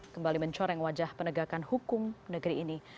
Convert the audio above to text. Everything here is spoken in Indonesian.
kembali mencoreng wajah penegakan hukum negeri ini